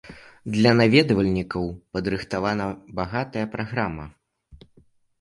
Для наведвальнікаў падрыхтавана багатая праграма.